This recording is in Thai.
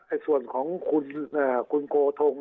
เพราะฉะนั้นคดีอันนี้มันไม่มีจบคนจะตกใจคดีสิ้นสุดอายุที่ดินจะตกเป็นของเขา